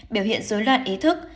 biểu hiện dối loạn ý thức